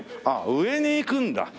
あっ上に行くんだ。